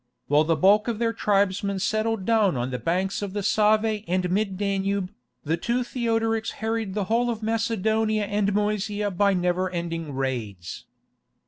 While the bulk of their tribesmen settled down on the banks of the Save and Mid Danube, the two Theodorics harried the whole of Macedonia and Moesia by never ending raids.